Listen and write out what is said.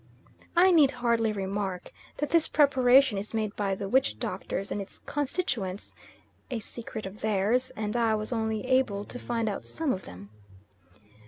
I need hardly remark that this preparation is made by the witch doctors and its constituents a secret of theirs, and I was only able to find out some of them.